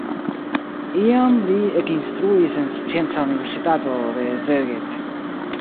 Iam li ekinstruis en Scienca Universitato de Szeged.